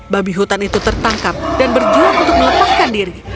babi hutan itu tertangkap dan berjuang untuk melepaskan diri